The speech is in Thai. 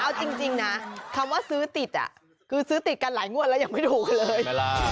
เอาจริงนะคำว่าซื้อติดคือซื้อติดกันหลายงวดแล้วยังไม่ถูกกันเลย